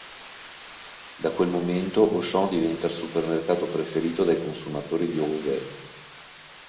Da quel momento Auchan diventa il supermercato preferito dai consumatori di Roubaix.